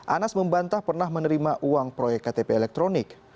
anas membantah pernah menerima uang proyek ktp elektronik